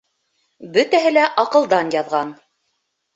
Бөтәһе лә аҡылдан яҙған.